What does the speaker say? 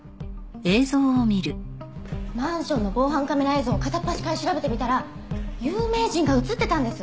マンションの防犯カメラ映像を片っ端から調べてみたら有名人が映ってたんです！